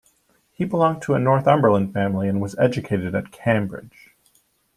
He belonged to a Northumberland family and was educated at Cambridge.